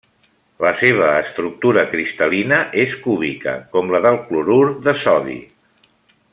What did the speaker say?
La seva estructura cristal·lina és cúbica com la del clorur de sodi.